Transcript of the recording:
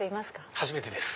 初めてです。